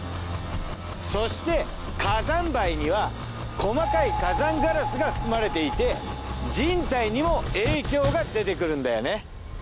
そして火山灰には細かい火山ガラスが含まれていて人体にも影響が出てくるんだよね。